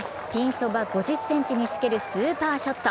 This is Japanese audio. そば５０ｃｍにつけるスーパーショット。